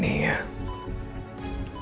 bikin pusing saja